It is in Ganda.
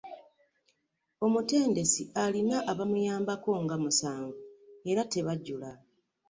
Omutendesi alina abamuyambako nga musavu era tebajula.